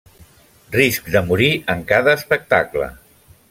Risc de morir en cada espectacle.